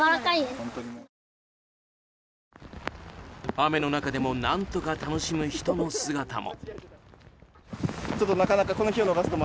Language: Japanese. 雨の中でも何とか楽しむ人の姿も。